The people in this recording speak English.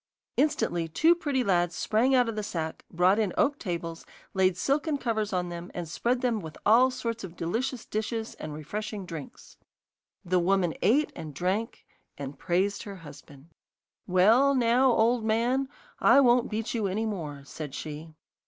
Instantly two pretty lads sprang out of the sack, brought in oak tables, laid silken covers on them, and spread them with all sorts of delicious dishes and refreshing drinks. The woman ate and drank, and praised her husband. 'Well, now, old man, I won't beat you any more,' said she.